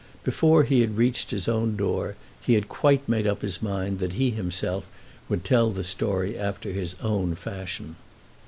Before he had reached his own door he had quite made up his mind that he himself would tell the story after his own fashion.